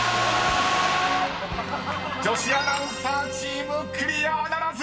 ［女子アナウンサーチームクリアならず！］